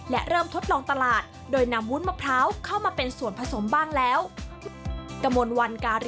และเริ่มทดลองตลาดโดยนำวุ้นมะพร้าวเข้ามาเป็นส่วนผสมบ้างแล้ว